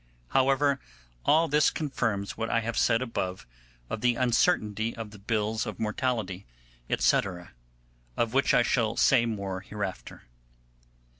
However, all this confirms what I have said above of the uncertainty of the bills of mortality, &c., of which I shall say more hereafter.